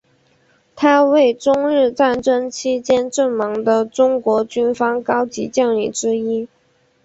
他为中日战争期间阵亡的中国军方高级将领之一。